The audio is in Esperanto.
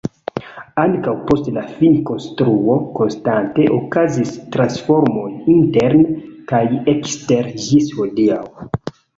Ankaŭ post la finkonstruo konstante okazis transformoj interne kaj ekstere ĝis hodiaŭ.